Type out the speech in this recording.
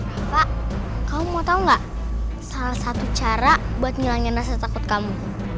bapak kamu mau tau gak salah satu cara buat ngilangin rasa takut kamu